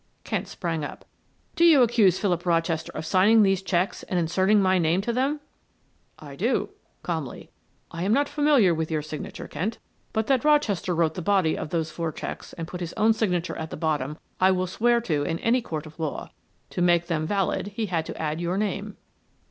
Kent sprang up. "Do you accuse Philip Rochester of signing these checks and inserting my name to them?" "I do," calmly. "I am not familiar with your signature, Kent, but that Rochester wrote the body of those four checks and put his own signature at the bottom I will swear to in any court of law. To make them valid he had to add your name."